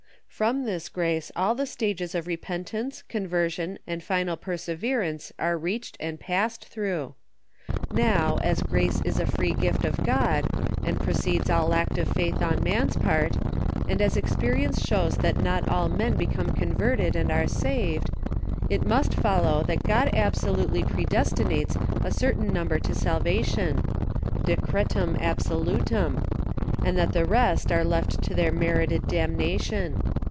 From this grace all the stages of repentance, con version, and final perseverance are reached and passed through. Now, as grace is a free gift of God, and precedes all acts of faith on man's part, and as experience shows that not all men become converted and ai'e saved, it must follow that God ab solutely predestinates a certain number to salvation {decretwii ahsolutum), and that the rest are left to their merited damna tion.